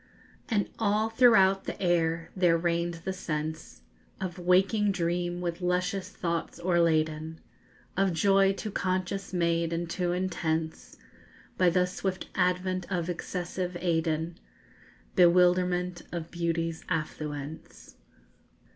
And all throughout the air there reigned the sense Of waking dream with luscious thoughts o'erladen, Of joy too conscious made and too intense By the swift advent of excessive Aiden, _Bewilderment of beauty's affluence.